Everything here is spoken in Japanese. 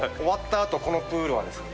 あとこのプールはですね